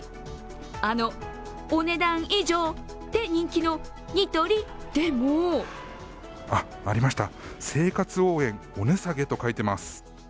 あの「お、ねだん以上」で人気のニトリでもありました、生活応援お値下げと書いています。